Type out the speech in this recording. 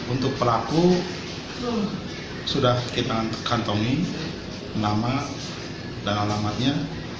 untuk pelaku sudah kita kantongi nama dan alamatnya